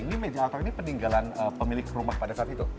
ini meja otak ini peninggalan pemilik rumah pada saat itu